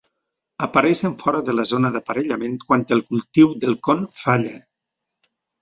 Apareixen fora de la zona d'aparellament quan el cultiu del con falla.